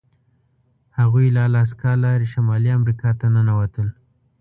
هغوی له الاسکا لارې شمالي امریکا ته ننوتل.